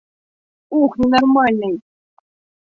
Ух, ненормальный!